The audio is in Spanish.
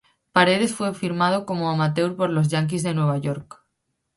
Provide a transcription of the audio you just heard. Paredes fue firmado como amateur por los Yanquis de Nueva York.